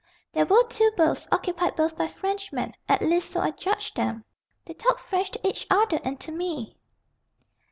"There were two berths, occupied both by Frenchmen, at least so I judged them. They talked French to each other and to me."